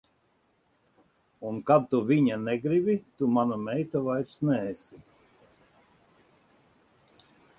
Un kad tu viņa negribi, tu mana meita vairs neesi.